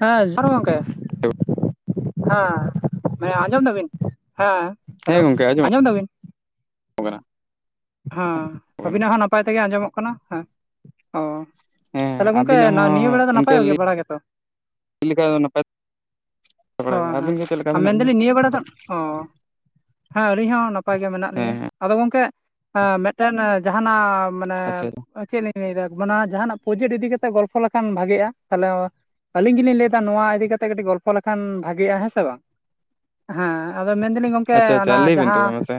ᱦᱮᱸ ᱡᱚᱦᱟᱨ ᱜᱚᱢᱠᱮ ᱦᱮᱸ ᱦᱮᱸ ᱟᱸᱡᱚᱢ ᱫᱟᱵᱤᱱ? ᱦᱮᱸ ᱦᱮᱞᱳ ᱦᱮᱸ ᱜᱚᱢᱠᱮ ᱟᱸᱡᱚᱢᱚᱜ ᱟᱸᱡᱚᱢ ᱫᱟᱵᱤᱱ ᱠᱟᱱᱟ᱾ ᱦᱮᱸ ᱠᱟᱱᱟ ᱟᱹᱵᱤᱱᱟᱜ ᱦᱚᱸ ᱱᱟᱯᱟᱭ ᱛᱮᱜᱮ ᱟᱸᱡᱚᱢᱚᱜ ᱠᱟᱱᱟ ᱦᱮᱸ ᱚ ᱦᱮᱸ ᱛᱟᱦᱞᱮ ᱜᱚᱝᱼᱠᱮ ᱟᱵᱤᱱᱟᱜ ᱦᱚᱸ ᱱᱤᱭᱟᱹ ᱵᱮᱲᱟ ᱫᱚ ᱤᱱᱠᱟᱹ ᱱᱟᱯᱟᱭ ᱞᱟᱹᱭ ᱵᱮᱲᱟ ᱜᱮᱛᱚ᱾ ᱞᱮᱠᱟ ᱫᱚ ᱱᱟᱯᱟᱭ ᱵᱟᱲᱟ ᱜᱮ ᱦᱳᱭ ᱦᱮᱸ ᱟᱹᱵᱤᱱ ᱜᱮ ᱪᱮᱫ ᱞᱮᱠᱟ ᱟᱨ ᱢᱮᱱᱟᱜ ᱵᱤᱱᱟ ᱢᱮᱱᱫᱟᱞᱤᱧ ᱱᱤᱭᱟᱹ ᱵᱮᱲᱟ ᱫᱚ᱾ ᱚ ᱦᱮᱸ ᱟᱹᱞᱤᱧ ᱦᱚᱸ ᱱᱟᱯᱟᱭ ᱜᱮ ᱢᱮᱱᱟᱜ ᱦᱮᱸ ᱞᱤᱧᱟᱹ ᱦᱮᱸ ᱟᱫᱚ ᱜᱚᱝᱠᱮᱼᱼ ᱢᱤᱫᱴᱮᱱ ᱡᱟᱦᱟᱸᱱᱟᱜ ᱢᱟᱱᱮ ᱟᱪᱪᱷᱟ ᱪᱮᱫ ᱞᱤᱧ ᱞᱟᱹᱭ ᱫᱟᱠᱚ ᱚᱱᱟ ᱡᱟᱦᱟᱱᱟᱜ ᱯᱚᱡᱮᱴ ᱤᱫᱤ ᱠᱟᱛᱮᱜ ᱜᱚᱞᱯᱷᱚ ᱞᱮᱠᱷᱟᱱ ᱵᱷᱟᱜᱮᱜ-ᱟ ᱛᱟᱦᱚᱞᱮ ᱚᱸᱼᱼ ᱟᱹᱞᱤᱧ ᱜᱮᱞᱤᱧ ᱞᱟᱹᱭ ᱫᱟ ᱱᱚᱣᱟ ᱤᱫᱤ ᱠᱟᱛᱮᱜ ᱠᱟᱹᱴᱤᱡ ᱜᱚᱞᱯᱚ ᱞᱮᱠᱷᱟᱱ ᱵᱷᱟᱜᱮᱜ-ᱟ ᱦᱮᱸ ᱥᱮ ᱵᱟᱝ? ᱦᱮᱸ ᱟᱫᱚ ᱢᱮᱱ ᱫᱟᱞᱤᱧ ᱜᱚᱢᱠᱮ ᱟᱪᱪᱷᱟ ᱟᱪᱪᱷᱟ ᱚᱱᱟ ᱞᱟᱹᱭ ᱵᱤᱱ ᱛᱚᱵᱮ ᱡᱟᱦᱟᱸᱼᱼ ᱢᱟᱥᱮ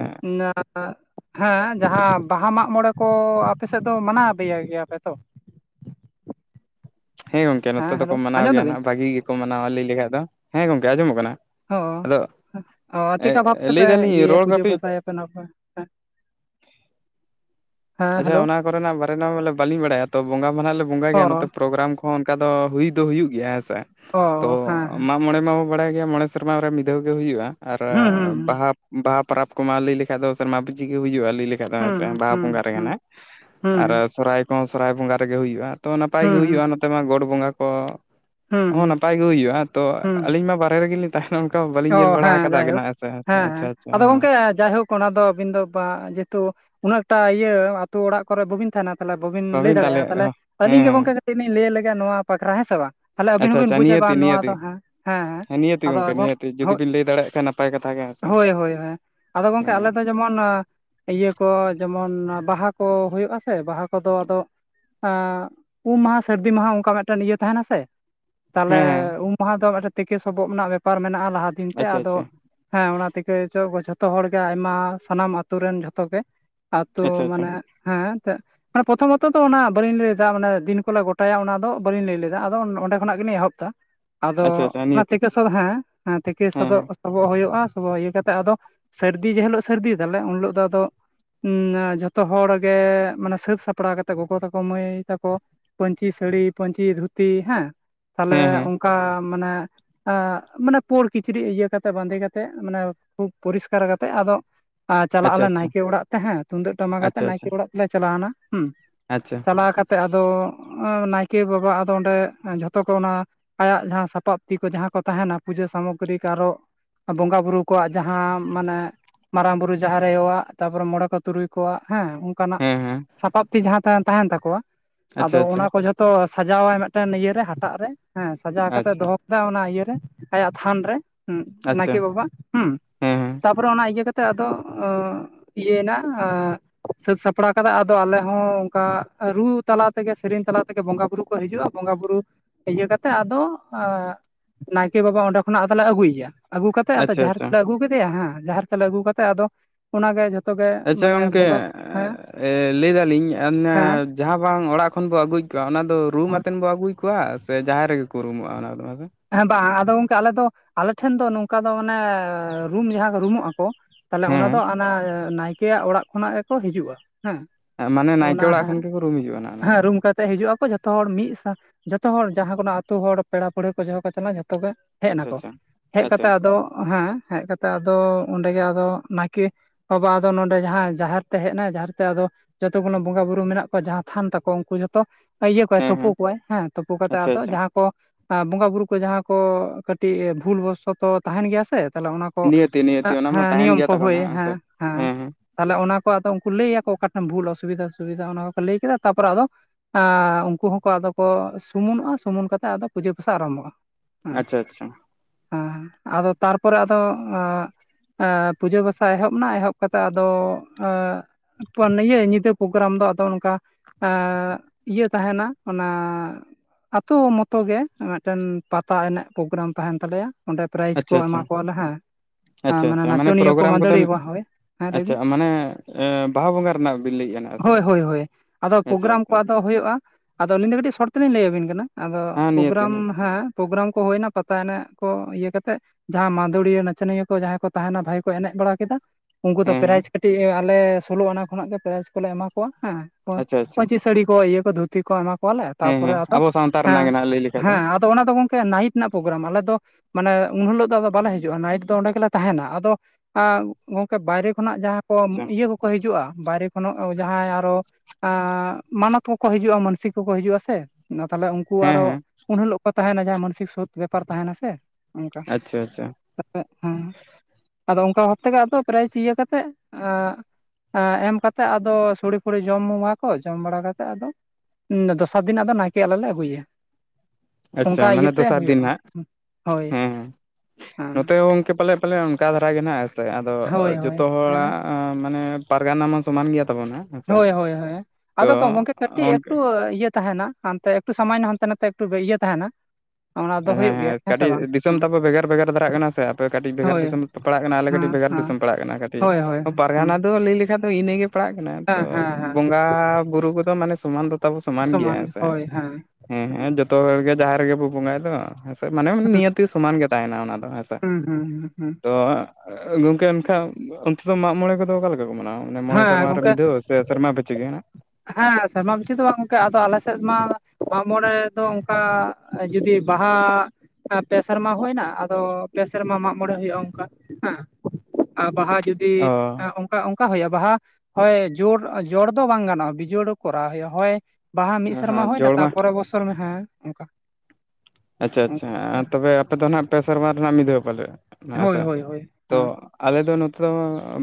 ᱦᱮᱸ ᱡᱟᱦᱟᱸ ᱵᱟᱦᱟ ᱢᱟᱜ ᱢᱚᱬᱮ ᱠᱚ ᱟᱯᱮᱥᱮᱫ ᱫᱚ ᱢᱟᱱᱟᱣ ᱯᱮᱭᱟ ᱜᱮᱭᱟᱯᱮ ᱛᱚ? ᱦᱮᱸ ᱜᱚᱝᱠᱮ ᱱᱚᱛᱮ ᱦᱮᱞᱳ ᱫᱚᱠᱚ ᱢᱟᱱᱟᱣ ᱟᱸᱡᱚᱢ ᱜᱮᱭᱟ ᱫᱟᱵᱤᱱ ᱱᱟᱜ ᱵᱷᱟᱹᱜᱤ ᱜᱮᱠᱚ ᱢᱟᱱᱟᱣᱟ ᱞᱟᱹᱭ ᱞᱮᱠᱷᱟᱡ ᱫᱚ ᱦᱮᱸ ᱜᱚᱝᱠᱮ ᱟᱸᱡᱚᱢᱚᱜ ᱠᱟᱱᱟ᱾ ᱚᱸ ᱟᱫᱚ ᱚᱸ ᱪᱮᱹᱠᱟ ᱵᱷᱟᱵ ᱞᱟᱹᱭ ᱛᱮᱯᱮ ᱫᱟᱞᱤᱧ ᱤᱭᱟᱹᱭᱟ ᱨᱚᱲ ᱯᱩᱡᱟᱹ ᱠᱟᱹᱴᱤᱡ ᱯᱟᱥᱟᱭᱟ? ᱠᱟᱱᱟ ᱯᱮ ᱦᱮᱸ᱾ ᱟᱫᱚ ᱦᱮᱞᱳ ᱚᱱᱟ ᱠᱚᱨᱮᱱᱟᱜ ᱵᱟᱨᱮᱱᱟᱜ ᱵᱚᱞᱮ ᱵᱟᱞᱤᱧ ᱵᱟᱲᱟᱭᱟ᱾ ᱛᱚ, ᱵᱚᱸᱜᱟ ᱢᱟᱱᱟᱜ ᱞᱮ ᱵᱚᱸᱜᱟᱭ ᱚ ᱜᱮᱭᱟ ᱱᱚᱛᱮ ᱯᱨᱳᱜᱨᱟᱢ ᱦᱮᱸ, ᱚᱱᱠᱟ ᱫᱚ ᱦᱩᱭ ᱫᱚ ᱦᱩᱭᱩᱜ ᱜᱮᱭᱟ ᱦᱮᱸ ᱥᱮ, ᱚ ᱛᱚ ᱦᱮᱸ ᱦᱮᱸ ᱚᱱᱟ ᱢᱚᱬᱮ ᱢᱟᱵᱚ ᱵᱟᱲᱟᱭ ᱜᱮᱭᱟ ᱢᱚᱬᱮ ᱥᱮᱨᱢᱟ ᱨᱮ ᱢᱤᱫ ᱫᱷᱟᱹᱣ ᱜᱮ ᱦᱩᱭᱩᱜ-ᱟ ᱟᱨ ᱦᱩᱸ ᱦᱩᱸ ᱵᱟᱦᱟ ᱵᱟᱦᱟ ᱯᱟᱨᱚᱵᱽ ᱠᱚᱢᱟ ᱞᱟᱹᱭ ᱞᱮᱠᱷᱟᱡ ᱫᱚ ᱥᱮᱨᱢᱟ ᱯᱤᱪᱷᱤ ᱜᱮ ᱦᱩᱭᱩᱜ-ᱟ ᱞᱟᱹᱭ ᱞᱮᱠᱷᱟᱡ ᱫᱚ ᱦᱮᱸ ᱥᱮ ᱦᱩᱸ ᱵᱟᱦᱟ ᱦᱩᱸ ᱵᱚᱸᱜᱟ ᱨᱮ ᱦᱩᱸ ᱦᱮᱱᱟᱭ ᱦᱩᱸ ᱟᱨ ᱥᱚᱨᱦᱟᱭ ᱠᱚ ᱥᱚᱨᱦᱟᱭ ᱵᱚᱸᱜᱟ ᱨᱮᱜᱮ ᱦᱩᱭᱩᱜ-ᱟ ᱛᱚ ᱱᱟᱯᱟᱭ ᱦᱩᱸ ᱜᱮ ᱦᱩᱸ ᱦᱩᱸ ᱦᱩᱭᱩᱜ-ᱟ ᱱᱚᱛᱮ ᱢᱟ ᱜᱚᱰ ᱵᱚᱸᱜᱟ ᱠᱚ᱾ ᱦᱩᱸ ᱦᱩᱸ ᱦᱚᱸ ᱦᱩᱸ ᱱᱟᱯᱟᱭ ᱜᱮ ᱦᱩᱭᱩᱜ-ᱟ, ᱛᱚ ᱦᱩᱸ ᱟᱹᱞᱤᱧ ᱢᱟ ᱵᱟᱨᱦᱮ ᱨᱮᱜᱮᱞᱤᱧ ᱛᱟᱦᱞᱮ ᱚᱱᱠᱟ ᱚ ᱵᱟᱹᱞᱤᱧ ᱧᱮᱞ ᱵᱟᱲᱟ ᱦᱮᱸ ᱟᱠᱟᱫᱟ ᱡᱟᱭᱦᱳᱠ ᱜᱮᱱᱟᱜ ᱦᱮᱸᱥᱮ ᱟᱪᱪᱷᱟ, ᱦᱮᱸ ᱟᱪᱪᱷᱟ ᱟᱪᱪᱷᱟ ᱟᱫᱚ ᱦᱮᱸ᱾ ᱜᱚᱝᱠᱮ ᱡᱟᱭᱦᱳᱠ ᱚᱱᱟ ᱫᱚ ᱟᱹᱵᱤᱱ ᱫᱚ ᱵᱟ ᱡᱮᱦᱮᱛᱩ ᱩᱱᱟᱹᱜᱴᱟ ᱤᱭᱟᱹ ᱟᱛᱳ ᱚᱲᱟᱜ ᱠᱚᱨᱮ ᱵᱟᱹᱵᱤᱱ ᱛᱟᱸᱦᱮᱱᱟ᱾ ᱛᱟᱦᱞᱮ ᱵᱟᱹᱵᱤᱱ ᱞᱟᱹᱭ ᱛᱟᱦᱚᱞᱮ ᱫᱟᱲᱮᱭᱟᱜ-ᱟ, ᱦᱮᱸ ᱛᱟᱦᱞᱮ ᱟᱹᱞᱤᱧ ᱜᱮ ᱦᱮᱸ ᱜᱚᱝᱠᱮ ᱠᱟᱹᱴᱤᱡ ᱞᱤᱧ ᱞᱟᱹᱭ ᱞᱮᱜᱮ ᱱᱚᱣᱟ ᱵᱟᱠᱷᱨᱟ ᱦᱮᱸ ᱥᱮ ᱵᱟ? ᱛᱟᱦᱞᱮ ᱟᱵᱤᱱ ᱟᱪᱪᱷᱟ ᱦᱚᱸᱵᱤᱱ ᱟᱪᱪᱷᱟ ᱵᱩᱡᱟ ᱵᱟ, ᱱᱤᱭᱟᱹᱛᱤ ᱱᱚᱣᱟ ᱱᱤᱭᱟᱹᱛᱤ ᱫᱚ ᱦᱮᱸ, ᱦᱮᱸ ᱦᱮᱸ ᱱᱤᱭᱟᱹᱛᱤ ᱟᱫᱚ ᱜᱚᱝᱠᱮ ᱜᱚᱝ ᱱᱤᱭᱟᱹᱛᱤ ᱦᱳ, ᱡᱩᱫᱤ ᱵᱤᱱ ᱞᱟᱹᱭ ᱫᱟᱲᱮᱭᱟᱜ ᱠᱷᱟᱱ ᱱᱟᱯᱟᱭ ᱠᱟᱛᱷᱟ ᱜᱮ ᱦᱮᱸ ᱥᱮ ᱦᱳᱭ ᱦᱳᱭ ᱦᱳᱭ ᱦᱮᱸ, ᱟᱫᱚ ᱜᱚᱝᱠᱮ ᱟᱞᱮ ᱦᱮᱸ ᱫᱚ ᱨᱮᱢᱟ ᱱᱚᱣᱟ ᱤᱭᱟᱹ ᱠᱚ ᱡᱮᱢᱚᱱ ᱱᱟ ᱵᱟᱦᱟ ᱠᱚ ᱦᱩᱭᱩᱜ-ᱟ ᱥᱮ ᱵᱟᱦᱟ ᱠᱚᱫᱚ ᱟᱫᱚ ᱮᱸᱜ, ᱩᱢ ᱢᱟᱦᱟ, ᱥᱟᱹᱨᱫᱤ ᱢᱟᱦᱟ ᱚᱝᱠᱟ ᱢᱤᱫᱴᱮᱱ ᱤᱭᱟᱹ ᱛᱟᱦᱮᱱᱟ ᱥᱮ ᱛᱟᱦᱞᱮ ᱦᱮᱸ ᱩᱢ ᱢᱟᱦᱟ ᱫᱚ ᱢᱤᱫᱴᱮᱱ ᱛᱤᱠᱤ ᱥᱚᱵᱚᱜ ᱨᱮᱱᱟᱜ ᱵᱮᱯᱟᱨ ᱢᱮᱱᱟᱜ-ᱟ ᱞᱟᱦᱟ ᱫᱤᱱᱛᱮ ᱟᱪᱪᱷᱟ ᱟᱫᱚ ᱟᱪᱪᱷᱟ ᱦᱮᱸ ᱚᱱᱟ ᱛᱮᱠᱮᱪᱚ ᱠᱚ ᱡᱷᱚᱛᱚ ᱦᱚᱲ ᱜᱮ ᱟᱭᱢᱟ ᱥᱟᱱᱟᱢ ᱟᱛᱳ ᱨᱮᱱ ᱡᱷᱚᱛᱚ ᱜᱮ᱾ ᱟᱛᱳ ᱟᱪᱪᱷᱟ ᱟᱪᱪᱷᱟ ᱢᱟᱱᱮ ᱦᱮᱸ ᱮᱱᱛᱮᱫ᱾ ᱢᱟᱱᱮ ᱯᱨᱚᱛᱷᱚᱢᱚᱛᱚ ᱫᱚ ᱚᱱᱟ ᱵᱟᱹᱞᱤᱧ ᱞᱟᱹᱭ ᱫᱟ ᱢᱟᱱᱮ ᱫᱤᱱ ᱠᱚᱞᱮ ᱜᱚᱴᱟᱭᱟ ᱚᱱᱟ ᱫᱚ ᱵᱟᱹᱞᱤᱧ ᱞᱟᱹᱭ ᱞᱮᱫᱟ ᱟᱫᱚ ᱚᱸᱰᱮ ᱠᱷᱚᱱᱟᱜ ᱜᱮᱞᱤᱧ ᱮᱦᱚᱵ ᱫᱟ᱾ ᱟᱫᱚ ᱟᱪᱪᱷᱟ ᱟᱪᱪᱷᱟ ᱚᱱᱟ ᱱᱤᱭᱟᱹᱛᱮ ᱛᱮᱹᱠᱮᱹ ᱥᱚᱫ ᱦᱮᱸ᱾ ᱛᱮᱹᱠᱮᱹ ᱦᱮᱸ ᱥᱚᱫᱚᱜ, ᱥᱚᱵᱚᱜ ᱦᱩᱭᱩᱜ-ᱟ ᱥᱚᱵᱚᱜ ᱤᱭᱟᱹ ᱠᱟᱛᱮᱜ ᱟᱫᱚ ᱥᱟᱹᱨᱫᱤ ᱡᱮ ᱦᱤᱞᱳᱜ ᱥᱟᱹᱨᱫᱤᱭ ᱫᱟᱞᱮ ᱩᱱ ᱦᱤᱞᱳᱜ ᱫᱚ ᱟᱫᱚ᱾ ᱚᱱᱟ ᱡᱷᱚᱛᱚ ᱦᱚᱲ ᱜᱮ ᱢᱟᱱᱮ ᱥᱟᱹᱛ ᱥᱟᱯᱲᱟᱣ ᱠᱟᱛᱮᱜ ᱜᱚᱜᱚ ᱛᱟᱠᱚ ᱢᱟᱹᱭ ᱛᱟᱠᱚ᱾ ᱯᱟᱹᱧᱪᱤ ᱥᱟᱹᱲᱤ ᱯᱟᱹᱧᱪᱤ ᱫᱷᱩᱛᱤ ᱦᱮᱸ᱾ ᱛᱟᱦᱞᱮ ᱦᱮᱸ ᱦᱮᱸ ᱚᱝᱠᱟ ᱢᱟᱱᱮ ᱮᱸᱜ ᱢᱟᱱᱮ ᱯᱚᱬ ᱠᱤᱪᱨᱤᱡ ᱤᱭᱟᱹ ᱠᱟᱛᱮᱫ ᱵᱟᱸᱫᱮ ᱠᱟᱛᱮᱫ ᱢᱟᱱᱮ ᱠᱷᱩᱵ ᱯᱚᱨᱤᱥᱠᱟᱨ ᱠᱟᱛᱮᱫ ᱟᱫᱚ ᱟᱸᱻ ᱟᱪᱪᱷᱟ ᱪᱟᱞᱟᱜ-ᱟᱞᱮ ᱟᱪᱪᱷᱟ ᱱᱟᱭᱠᱮ ᱚᱲᱟᱜ ᱛᱮ ᱦᱮᱸ ᱛᱩᱢᱫᱟᱹᱜ ᱴᱟᱢᱟᱠ ᱟᱛᱮᱜ ᱟᱪᱪᱷᱟ ᱱᱟᱭᱠᱮ ᱟᱪᱪᱷᱟ ᱚᱲᱟᱜ ᱛᱮᱞᱮ ᱪᱟᱞᱟᱣᱮᱱᱟ ᱦᱩᱸ᱾ ᱟᱪᱪᱷᱟ᱾ ᱪᱟᱞᱟᱣ ᱠᱟᱛᱮᱫ ᱟᱫᱚ ᱱᱟᱭᱠᱮ ᱵᱟᱵᱟ ᱟᱫᱚ ᱚᱸᱰᱮ ᱡᱷᱚᱛᱚ ᱠᱚ ᱚᱱᱟ ᱟᱭᱟᱜ ᱡᱟᱦᱟᱸ ᱥᱟᱯᱟᱵ ᱛᱤ ᱠᱚ ᱡᱟᱦᱟᱸ ᱠᱚ ᱛᱟᱸᱦᱮᱱᱟ ᱯᱩᱡᱟᱹ ᱥᱟᱢᱚᱜᱽᱜᱨᱤ ᱠᱚ ᱟᱨᱚ ᱵᱚᱸᱜᱟ ᱵᱩᱨᱩ ᱠᱚᱣᱟᱜ ᱡᱟᱦᱟᱸ ᱢᱟᱱᱮ ᱢᱟᱨᱟᱝ ᱵᱩᱨᱩ ᱡᱟᱦᱮᱨ ᱟᱭᱳᱣᱟᱜ ᱛᱟᱯᱚᱨᱮ ᱢᱚᱬᱮ ᱠᱚ ᱛᱩᱨᱩᱭ ᱠᱚᱣᱟᱜ ᱦᱮᱸ ᱚᱱᱠᱟᱱᱟᱜ ᱦᱮᱸ ᱦᱮᱸ ᱥᱟᱯᱟᱯ ᱛᱤ ᱡᱟᱦᱟᱸ ᱛᱟᱦᱮᱸ ᱛᱟᱸᱦᱮᱱ ᱛᱟᱠᱚᱣᱟ ᱟᱪᱪᱷᱟ ᱟᱫᱚ ᱟᱪᱪᱷᱟ ᱚᱱᱟ ᱠᱚ ᱡᱷᱚ ᱛᱚ ᱥᱟᱡᱟᱣᱟᱭ ᱢᱤᱫᱴᱮᱱ ᱤᱭᱟᱹ ᱨᱮ ᱦᱟᱴᱟᱜ ᱨᱮ ᱦᱮᱸ ᱥᱟᱡᱟᱣ ᱠᱟᱛᱮᱫ ᱟᱪᱪᱷᱟ ᱫᱚᱦᱚ ᱠᱟᱫᱟᱭ ᱚᱱᱟ ᱤᱭᱟᱹ ᱨᱮ᱾ ᱟᱭᱟᱜ ᱛᱷᱟᱱ ᱨᱮ, ᱦᱩᱸ ᱟᱪᱪᱷᱟ ᱱᱟᱭᱠᱮ ᱵᱟᱵᱟ ᱦᱩᱸ᱾ ᱦᱮᱸ ᱦᱮᱸ ᱛᱟᱯᱚᱨᱮ ᱚᱱᱟ ᱤᱭᱟᱹ ᱠᱟᱛᱮᱫ ᱟᱫᱚ ᱚᱸ ᱤᱭᱟᱹᱭᱮᱱᱟ ᱮᱸᱻ᱾ ᱥᱟᱹᱛ ᱥᱟᱯᱲᱟᱣ ᱠᱟᱫᱟ ᱟᱫᱚ ᱟᱞᱮ ᱦᱚᱸ ᱚᱝᱠᱟ ᱨᱩ ᱛᱟᱞᱟ ᱛᱮᱜᱮ, ᱥᱮᱨᱮᱧ ᱛᱟᱞᱟ ᱛᱮᱜᱮ ᱵᱚᱸᱜᱟ ᱵᱩᱨᱩ ᱠᱚ ᱦᱤᱡᱩᱜ-ᱟ ᱵᱚᱸᱜᱟ ᱵᱩᱨᱩ ᱤᱭᱟᱹ ᱠᱟᱛᱮᱜ ᱟᱫᱚ ᱮᱸᱜ ᱱᱟᱭ ᱠᱮ ᱵᱟᱵᱟ ᱚᱸᱰᱮ ᱠᱷᱚᱱᱟᱜ ᱟᱫᱚᱞᱮ ᱟᱹᱜᱩᱭᱮᱭᱟ, ᱟᱹᱜᱩ ᱠᱟᱛᱮ ᱟᱫᱚ ᱟᱪᱪᱷᱟ ᱡᱟᱦᱮᱨ ᱟᱪᱪᱷᱟ ᱛᱮᱞᱮ ᱟᱹᱜᱩ ᱠᱮᱫᱮᱭᱟ ᱦᱮᱸ ᱡᱟᱦᱮᱨ ᱛᱟᱦᱞᱮ ᱟᱹᱜᱩ ᱠᱟᱛᱮᱜ ᱟᱫᱚ ᱚᱱᱟᱜᱮ ᱡᱷᱚᱛ ᱟᱪᱪᱷᱟ ᱜᱚᱝᱠᱮ ᱮᱸ ᱞᱟᱹᱭ ᱫᱟᱞᱤᱧ ᱦᱮᱸ [unintelligible] ᱡᱟᱦᱟᱸ ᱵᱟᱝ ᱚᱲᱟᱜ ᱠᱷᱚᱱ ᱵᱚ ᱟᱹᱜᱩᱭ ᱠᱚᱣᱟ ᱚᱱᱟᱫᱚ ᱨᱩᱢ ᱟᱛᱮᱱ ᱵᱚ ᱟᱹᱜᱩᱭ ᱠᱚᱣᱟ ᱥᱮ ᱡᱟᱦᱟᱸᱨ ᱨᱮᱜᱮ ᱠᱚ ᱨᱩᱢᱩᱜ-ᱟ ᱚᱱᱟᱫᱚ ᱦᱮᱸ ᱥᱮ? ᱦᱮᱸ ᱵᱟ ᱟᱫᱚ ᱜᱚᱝᱠᱮ ᱟᱞᱮ ᱫᱚ ᱟᱞᱮ ᱴᱷᱮᱱ ᱫᱚ ᱱᱚᱝᱠᱟ ᱫᱚ ᱢᱟᱱᱮ ᱮᱸ, ᱨᱩᱢ ᱡᱟᱦᱟᱸ ᱠᱚ ᱨᱩᱢᱩᱜ-ᱟᱠᱚ ᱛᱟᱦᱞᱮ ᱚᱱᱟ ᱫᱚ ᱦᱮᱸ ᱟᱢ ᱵᱟ, ᱱᱟᱭᱠᱮᱭᱟᱜ ᱚᱲᱟᱜ ᱠᱷᱚᱱᱟᱜ ᱜᱮᱠᱚ ᱦᱤᱡᱩᱜ-ᱟ ᱦᱮᱸ᱾ ᱦᱮᱸ, ᱢᱟᱱᱮ ᱱᱟᱭᱠᱮ ᱚᱲᱟᱜ ᱠᱷᱚᱱ ᱜᱮᱠᱚ ᱨᱩᱢ ᱦᱤᱡᱩᱜ-ᱟ ᱚᱱᱟ, ᱚᱱᱟ ᱫᱚ᱾ ᱥᱮ ᱦᱤᱡᱩᱜ-ᱟᱠᱚ ᱡᱷᱚᱛᱚ ᱦᱚᱲ ᱢᱤᱫ ᱥᱟ ᱡᱷᱚᱛᱚ ᱦᱚᱲ ᱡᱟᱦᱟᱸ ᱠᱚᱱᱟᱜ ᱟᱹᱛᱩ ᱦᱚᱲ ᱯᱮᱲᱟ ᱯᱟᱹᱲᱦᱟᱹ ᱠᱚ ᱡᱚᱦᱚ ᱠᱚ ᱪᱟᱞᱟᱜ-ᱟ ᱡᱷᱚᱛᱚ ᱜᱮ᱾ ᱦᱮᱡ ᱮᱱᱟ ᱟᱪᱪᱷᱟ ᱠᱚ, ᱟᱪᱪᱷᱟ ᱦᱮᱡ ᱟᱪᱪᱷᱟ ᱠᱟᱛᱮ ᱟᱫᱚ ᱦᱮᱸ ᱦᱮᱡ ᱠᱟᱛᱮ ᱟᱫᱚ ᱚᱸᱰᱮ ᱜᱮ ᱟᱫᱚ ᱱᱟᱭᱠᱮ ᱵᱟᱵᱟ ᱟᱫᱚ ᱱᱚᱰᱮ ᱡᱟᱦᱟᱸ ᱡᱟᱦᱮᱨ ᱛᱮ ᱦᱮᱡ ᱱᱟᱭ, ᱡᱟᱦᱮᱨ ᱛᱮ ᱟᱫᱚ ᱡᱚᱛᱚ ᱜᱩᱱᱚ ᱵᱚᱸᱜᱟ ᱵᱩᱨᱩ ᱢᱮᱱᱟᱜ ᱠᱚᱣᱟ᱾ ᱡᱟᱦᱟᱸ ᱛᱷᱟᱱ ᱛᱟᱠᱚ ᱩᱱᱠᱩ ᱡᱷᱚᱛᱚ ᱤᱭᱟᱹ ᱠᱚᱣᱟᱭ ᱦᱮᱸ ᱦᱮᱸ ᱛᱳᱯᱚ ᱠᱚᱣᱟᱭ ᱦᱮᱸ, ᱛᱳᱯᱳ ᱠᱟᱛᱮᱫ ᱟᱪᱪᱷᱟ ᱟᱫᱚ ᱟᱪᱪᱷᱟ ᱡᱟᱦᱟᱸ ᱠᱚ ᱵᱚᱸᱜᱟ ᱵᱩᱨᱩ ᱠᱚ ᱡᱟᱦᱟᱸ ᱠᱚ ᱠᱟᱹᱴᱤᱡ ᱵᱷᱩᱞ ᱵᱚᱥᱚᱛᱚ ᱛᱟᱦᱮᱸᱱ ᱜᱮᱭᱟ ᱥᱮ ᱛᱟᱦᱞᱮ ᱚᱱᱟ ᱠᱚ ᱱᱤᱭᱟᱹᱛᱤ ᱱᱤᱭᱟᱹᱛᱤ ᱚᱱᱟ ᱢᱟ ᱦᱮᱸ ᱛᱟᱦᱮᱱ ᱱᱤᱭᱚᱢ ᱜᱮᱭᱟ ᱠᱚ ᱛᱟᱠᱚ ᱦᱳᱭ ᱱᱟᱦᱟᱜ ᱦᱮᱸᱥᱮ ᱦᱮᱸ ᱦᱮᱸ᱾ ᱛᱟᱦᱞᱮ ᱚᱱᱟ ᱠᱚ ᱟᱫᱚ ᱩᱱᱠᱩ ᱞᱟᱹᱭ ᱟᱠᱚ ᱚᱠᱟᱴᱷᱮᱱ ᱵᱷᱩᱞ ᱚᱥᱩᱵᱤᱫᱟ, ᱥᱩᱵᱤᱫᱟ᱾ ᱚᱱᱟ ᱠᱚ ᱞᱟᱹᱭ ᱠᱮᱫᱟ ᱛᱟᱨᱯᱚᱨᱮ ᱟᱫᱚ ᱟᱸᱻ ᱩᱱᱠᱩ ᱦᱚᱸᱠᱚ ᱟᱫᱚ ᱠᱚ ᱥᱩᱢᱩᱱᱚᱜᱼᱟ᱾ ᱥᱩᱢᱩᱱ ᱠᱟᱛᱮ ᱟᱫᱚ ᱯᱩᱡᱟᱹ ᱯᱟᱥᱟ ᱟᱨᱟᱢᱵᱷᱚᱜᱼᱟ᱾ ᱦᱮᱸ ᱟᱪᱪᱷᱟ, ᱟᱪᱪᱷᱟ᱾ ᱦᱮᱸ ᱟᱫᱚ ᱛᱟᱨᱯᱚᱨᱮ ᱟᱫᱚ ᱮᱸᱜ ᱮᱸ ᱯᱩᱡᱟᱹ ᱵᱟᱥᱟ ᱮᱦᱚᱵ ᱮᱱᱟ, ᱮᱦᱚᱵ ᱠᱟᱛᱮ ᱟᱫᱚ ᱮᱸᱜ ᱤᱭᱟᱹ ᱧᱤᱫᱟᱹ ᱯᱨᱳᱜᱨᱟᱢ ᱫᱚ ᱟᱫᱚ ᱱᱚᱝᱠᱟ ᱮᱸᱜ ᱤᱭᱟᱹ ᱛᱟᱦᱮᱸᱱᱟ᱾ ᱚᱱᱟ ᱟᱹᱛᱩ ᱢᱚᱛᱚ ᱜᱮ᱾ ᱢᱤᱫᱴᱮᱱ ᱯᱟᱛᱟ ᱮᱱᱮᱡ ᱯᱨᱳᱜᱨᱟᱢ ᱛᱟᱦᱮᱸᱱ ᱛᱟᱞᱮᱭᱟ᱾ ᱚᱸᱰᱮ ᱯᱨᱟᱭᱤᱡᱽ ᱠᱚ ᱟᱪᱪᱷᱟ ᱟᱪᱪᱷᱟ ᱮᱢᱟ ᱠᱚᱣᱟᱞᱮ ᱦᱮᱸ᱾ ᱟᱪᱪᱷᱟ, ᱟᱪᱪᱷᱟ, ᱢᱟᱱᱮ ᱱᱟᱪᱚᱱᱤᱭᱟᱹ ᱠᱚ ᱯᱨᱳᱜᱨᱟᱢ ᱠᱚᱫᱚ ᱢᱟᱹᱫᱟᱹᱲᱤᱭᱟᱹ ᱠᱚ ᱦᱳᱭ ᱦᱮᱸ ᱞᱟᱹᱭ ᱟᱪᱪᱷᱟ ᱵᱤᱱ ᱢᱟᱱᱮ ᱵᱟᱦᱟ ᱵᱚᱸᱜᱟ ᱨᱮᱱᱟᱜ ᱵᱤᱱ ᱞᱟᱹᱭᱮᱫᱼᱟ? ᱥᱮ ᱦᱳᱭ ᱦᱳᱭ ᱦᱳᱭ, ᱟᱫᱚ ᱟᱪᱪᱷᱟ ᱯᱨᱳᱜᱨᱟᱢ ᱠᱚ ᱟᱪᱪᱷᱟ ᱟᱫᱚ ᱦᱳᱭᱳᱜᱼᱟ᱾ ᱟᱫᱚ ᱟᱹᱞᱤᱧ ᱫᱚ ᱠᱟᱹᱴᱤᱡ ᱥᱚᱴ ᱛᱮᱞᱤᱧ ᱞᱟᱹᱭᱟᱵᱤᱱ ᱠᱟᱱᱟ᱾ ᱟᱫᱚ ᱦᱮᱸ ᱱᱤᱦᱟᱹᱛᱤ ᱯᱨᱚᱜᱨᱟᱢ ᱱᱤᱦᱟᱹᱛᱤ ᱦᱮᱸ ᱯᱨᱚᱜᱨᱟᱢ ᱠᱚ ᱦᱩᱭᱱᱟ᱾ ᱯᱟᱛᱟ ᱮᱱᱮᱡ ᱠᱚ ᱤᱭᱟᱹ ᱠᱟᱛᱮᱫ ᱡᱟᱦᱟᱸ ᱢᱟᱫᱚᱲᱤᱭᱟᱹ ᱱᱟᱪᱚᱱᱤᱭᱟᱹ ᱠᱚ ᱡᱟᱦᱟᱸᱭ ᱠᱚ ᱛᱟᱦᱮᱸᱱᱟ, ᱵᱷᱟᱹᱜᱮ ᱠᱚ ᱮᱱᱮᱡ ᱵᱟᱲᱟ ᱠᱮᱫᱟ᱾ ᱩᱱᱠᱩ ᱫᱚ ᱦᱮᱸ ᱦᱮᱸ ᱯᱨᱟᱭᱤᱡᱽ ᱠᱟᱹᱴᱤᱡ ᱟᱞᱮ ᱥᱳᱞᱳ ᱟᱱᱟ ᱠᱷᱚᱱᱟᱜ ᱜᱮ ᱯᱨᱟᱭᱤᱡᱽ ᱠᱚᱞᱮ ᱮᱢᱟ ᱠᱚᱣᱟ ᱦᱮᱸ, ᱟᱪᱪᱷᱟ ᱟᱪᱪᱷᱟ ᱯᱚᱸᱪᱤᱥ ᱥᱟᱹᱲᱤ ᱠᱚ, ᱤᱭᱟᱹ ᱠᱚ, ᱫᱷᱩᱛᱤ ᱠᱚ ᱮᱢᱟ ᱠᱚᱣᱟᱞᱮ ᱦᱮᱸ ᱛᱟᱯᱚᱨᱮ ᱦᱮᱸ ᱟᱫᱚ ᱟᱵᱚ ᱥᱟᱶᱛᱟ ᱦᱮᱸ ᱨᱮᱱᱟᱜ ᱜᱮ ᱱᱟᱦᱟᱜ ᱞᱟᱹᱭ ᱞᱮᱠᱷᱟᱡ ᱫᱚ ᱦᱮᱸ ᱟᱫᱚ ᱚᱱᱟ ᱫᱚ ᱜᱚᱝᱠᱮ ᱱᱟᱭᱤᱴ ᱨᱮᱱᱟᱜ ᱯᱨᱚᱜᱨᱟᱢ ᱟᱞᱮ ᱫᱚ ᱢᱟᱱᱮ ᱩᱱ ᱦᱤᱞᱳᱜ ᱫᱚ ᱵᱟᱞᱮ ᱦᱤᱡᱩᱜᱼᱟ᱾ ᱱᱟᱭᱤᱴ ᱫᱚ ᱚᱸᱰᱮ ᱜᱮᱞᱮ ᱛᱟᱦᱮᱱᱟ᱾ ᱟᱫᱚ ᱜᱚᱝᱠᱮ, ᱵᱟᱭᱨᱮ ᱠᱷᱚᱱᱟᱜ ᱡᱟᱦᱟᱸ ᱠᱚ ᱟᱪᱪᱷᱟ ᱤᱭᱟᱹ ᱠᱚᱠᱚ ᱦᱤᱡᱩᱜᱼᱟ᱾ ᱵᱟᱭᱨᱮ ᱠᱷᱚᱱᱟᱜ ᱡᱟᱦᱟᱸᱭ ᱟᱨᱚ ᱮ ᱢᱟᱱᱚᱛ ᱠᱚᱠᱚ ᱦᱤᱡᱩᱜᱼᱟ, ᱢᱟᱱᱥᱤ ᱠᱚᱠᱚ ᱦᱤᱡᱩᱜᱼᱟ ᱥᱮ ᱛᱟᱦᱚᱞᱮ ᱩᱱᱠᱩ ᱦᱮᱸ ᱟᱨᱚ ᱦᱮᱸ ᱩᱱ ᱦᱤᱞᱳᱜ ᱠᱚ ᱛᱟᱦᱮᱸᱱᱟ᱾ ᱡᱟᱦᱟᱸᱭ ᱢᱟᱱᱚᱥᱤᱠ ᱥᱳᱫ ᱵᱮᱯᱟᱨ ᱛᱟᱦᱮᱸᱱᱟ ᱥᱮ ᱚᱱᱠᱟ ᱟᱪᱪᱷᱟ ᱟᱪᱪᱷᱟ ᱟᱫᱚ ᱚᱱᱠᱟ ᱵᱷᱟᱵᱷ ᱠᱟᱛᱮ ᱜᱮ ᱟᱫᱚ ᱯᱨᱟᱭᱤᱡᱽ ᱤᱭᱟᱹ ᱠᱟᱛᱮᱜ ᱮᱸᱜ ᱮᱸ ᱮᱢ ᱠᱟᱛᱮ ᱟᱫᱚ ᱥᱳᱲᱮ ᱯᱷᱳᱲᱤ ᱡᱚᱢ ᱟᱠᱚ᱾ ᱡᱚᱢ ᱵᱟᱲᱟ ᱠᱟᱛᱮᱫ ᱟᱫᱚ ᱫᱚᱥᱟᱨ ᱫᱤᱱ ᱟᱫᱚ ᱱᱟᱭᱠᱮ ᱟᱞᱮ ᱞᱮ ᱟᱹᱜᱩᱭᱮᱭᱟ᱾ ᱟᱪᱪᱷᱟ, ᱚᱱᱠᱟ ᱢᱟᱱᱮ ᱤᱭᱟᱹᱛᱮ ᱫᱚᱥᱟᱨ ᱫᱤᱱ ᱦᱩᱭᱩᱜᱼᱟ ᱦᱟᱸᱜ᱾ ᱦᱳᱭ ᱦᱮᱸ ᱱᱚᱛᱮᱦᱚᱸ ᱜᱚᱝᱠᱮ ᱯᱟᱞᱮᱫ ᱯᱟᱞᱮ ᱚᱱᱠᱟ ᱫᱷᱟᱨᱟᱜᱮ ᱱᱟᱦᱟᱜ ᱥᱮ ᱟᱫᱚ ᱦᱳᱭ ᱦᱳᱭ ᱡᱚᱛᱚ ᱦᱮᱸ ᱦᱚᱲᱟᱜ ᱢᱟᱱᱮ ᱯᱟᱨᱜᱟᱱᱟ ᱢᱟ ᱥᱚᱢᱟᱱ ᱜᱮᱭᱟ ᱛᱟᱵᱚᱱᱟ᱾ ᱦᱮᱸᱥᱮ ᱦᱳᱭ ᱦᱳᱭ, ᱦᱳᱭ, ᱛᱚ ᱟᱫᱚ ᱜᱚᱝᱠᱮ ᱠᱟᱹᱴᱤᱡ ᱚᱱᱠᱟ ᱮᱠᱴᱩ ᱤᱭᱟᱹ ᱛᱟᱦᱮᱸᱱᱟ᱾ ᱛᱚ ᱮᱠᱴᱩ ᱥᱟᱢᱟᱱᱱᱚ ᱦᱟᱱᱛᱮ- ᱱᱟᱛᱮ ᱮᱠᱴᱩ ᱤᱭᱟᱹ ᱛᱟᱦᱮᱸᱱᱟ᱾ ᱦᱮᱸ ᱦᱮᱸ ᱠᱟᱹᱴᱤᱡ ᱫᱤᱥᱚᱢ ᱛᱟᱯᱮ ᱵᱷᱮᱜᱟᱨ ᱵᱷᱮᱜᱟᱨ ᱫᱷᱟᱨᱟᱜ ᱠᱟᱱᱟ ᱥᱮ ᱟᱯᱮ ᱠᱟᱹᱴᱤᱡ ᱵᱷᱮᱜᱟᱨ ᱦᱳᱭ ᱫᱤᱥᱚᱢ ᱯᱟᱲᱦᱟᱜ ᱠᱟᱱᱟ, ᱟᱞᱮ ᱠᱟᱹᱴᱤᱡ ᱦᱮᱸ ᱵᱷᱮᱜᱟᱨ ᱫᱤᱥᱚᱢ ᱦᱮᱸ ᱯᱟᱲᱟᱜ ᱠᱟᱱᱟ ᱠᱟᱹᱴᱤᱡ᱾ ᱦᱳᱭ ᱦᱳᱭ ᱦᱩᱸ ᱯᱟᱨᱜᱟᱱᱟ ᱫᱚ ᱞᱟᱹᱭ ᱞᱮᱠᱷᱟᱱ ᱤᱱᱟᱹᱜᱮ ᱯᱟᱲᱟᱜ ᱠᱟᱱᱟ ᱦᱮᱸ ᱛᱚ, ᱦᱮᱸ ᱦᱮᱸ ᱵᱚᱸᱜᱟ ᱵᱩᱨᱩ ᱠᱚᱫᱚ ᱢᱟᱱᱮ ᱥᱚᱢᱟᱱ ᱫᱚ ᱛᱟᱵᱚ ᱥᱚᱢᱟᱱ ᱜᱮᱭᱟ, ᱦᱮᱸᱥᱮ᱾ ᱦᱳᱭ ᱦᱮᱸ ᱦᱮᱸ ᱦᱮᱸ ᱡᱚᱛᱚ ᱦᱚᱲ ᱜᱮ ᱡᱟᱦᱮᱨ ᱨᱮᱜᱮ ᱵᱚ ᱵᱚᱸᱜᱟᱭ ᱫᱚ ᱦᱮᱸᱥᱮ, ᱢᱟᱱᱮ ᱱᱤᱭᱟᱹᱛᱤ ᱥᱚᱢᱟᱱ ᱜᱮ, ᱛᱟᱦᱮᱸᱱᱟ ᱚᱱᱟ ᱫᱚ ᱦᱮᱸᱥᱮ, ᱦᱩᱸ ᱦᱩᱸ ᱦᱩᱸ ᱛᱚ ᱜᱚᱝᱠᱮ ᱮᱱᱠᱷᱟᱱ ᱚᱱᱛᱮ ᱫᱚ ᱢᱟᱜ ᱢᱚᱬᱮ ᱠᱚᱫᱚ ᱚᱠᱟ ᱞᱮᱠᱟ ᱠᱚ ᱢᱟᱱᱟᱣᱟ? ᱢᱟᱱᱮ ᱢᱟᱬᱮ ᱦᱮᱸ ᱥᱮᱨᱢᱟ ᱨᱮ ᱜᱚᱝᱠᱮ ᱢᱤᱫᱤᱫᱷᱟᱣ ᱥᱮ ᱥᱮᱨᱢᱟ ᱯᱤᱪᱷᱤ ᱜᱮ ᱱᱟᱜ? ᱦᱮᱸ ᱥᱮᱨᱢᱟ ᱯᱤᱪᱷᱩ ᱫᱚ ᱵᱟᱝ ᱜᱚᱝᱠᱮ, ᱟᱫᱚ ᱟᱞᱮ ᱥᱮᱫ ᱢᱟ ᱢᱟᱜ ᱢᱚᱬᱮ ᱫᱚ ᱚᱱᱠᱟ ᱡᱩᱫᱤ ᱵᱟᱦᱟ ᱯᱮ ᱥᱮᱨᱢᱟ ᱦᱩᱭᱱᱟ᱾ ᱟᱫᱚ ᱯᱮ ᱥᱮᱨᱢᱟ ᱢᱟᱜ ᱢᱚᱬᱮ ᱦᱩᱭᱩᱜᱼᱟ᱾ ᱚᱱᱠᱟ ᱦᱮᱸ ᱵᱟᱦᱟ ᱚ ᱡᱩᱫᱤ ᱟ ᱚᱝᱠᱟ ᱠᱟ ᱦᱩᱭᱩᱜᱼᱟ ᱵᱟᱦᱟ ᱦᱳᱭ ᱡᱳᱲ, ᱡᱚᱲ ᱫᱚ ᱵᱟᱝ ᱜᱟᱱᱚᱜᱼᱟ ᱵᱤᱡᱳᱲ ᱠᱚᱨᱟᱣ ᱦᱩᱭᱩᱜᱼᱟ ᱦᱳᱭ ᱵᱟᱦᱟ ᱢᱤᱫ ᱦᱮᱸ ᱥᱮᱨᱢᱟ ᱦᱮᱸ ᱦᱳᱭᱱᱟ ᱡᱚᱲ ᱢᱟ ᱛᱟᱯᱚᱨᱮ ᱵᱚᱥᱚᱨ ᱢᱮ ᱦᱮᱸ, ᱚᱱᱠᱟ ᱟᱪᱪᱷᱟ ᱚᱱᱠᱟ ᱟᱪᱪᱷᱟ ᱛᱚᱵᱮ ᱟᱯᱮ ᱫᱚ ᱱᱟᱦᱟᱜ ᱯᱮ ᱥᱮᱨᱢᱟ ᱨᱮ ᱱᱟᱜ ᱢᱤᱫᱟᱹᱣ ᱯᱟᱞᱮ ᱦᱳᱭ ᱦᱮᱸᱥᱮ ᱦᱳᱭ ᱦᱳᱭ ᱛᱚ ᱦᱮᱸ ᱟᱞᱮᱫᱚ ᱱᱚᱛᱮ ᱫᱚ